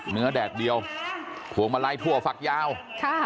เนื้อแดดเดียวภวงมาลัยทั่วฝักยาวค่ะ